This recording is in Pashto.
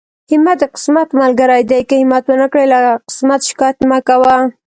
همت د قسمت ملګری دی، که همت ونکړې له قسمت شکايت مکوه.